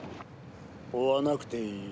追わなくていい。